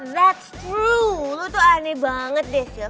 that's true lu tuh aneh banget deh sil